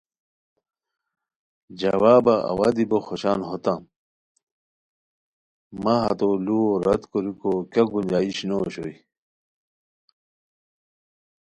جوابہ اوا دی بو خوشان ہوتام مہ ہتو ُلوؤ رد کوریکو کیہ کنجائش نو اوشوئے